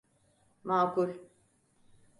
Mâkul…